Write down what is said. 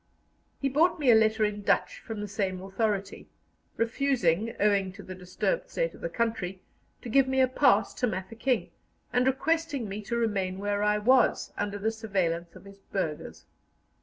He brought me a letter in Dutch from the same authority, refusing, "owing to the disturbed state of the country," to give me a pass to Mafeking, and requesting me to remain where I was, under the "surveillance of his burghers."